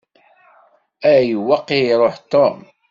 Ayweq i iṛuḥ Tom?